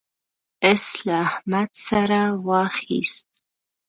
اس له احمده سر واخيست.